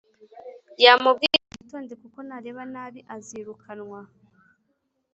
yamubwiye ngo yitonde kuko nareba nabi azirukanwa